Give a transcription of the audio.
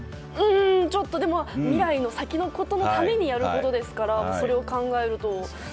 未来の先のことのためにやることですからそれを考えると。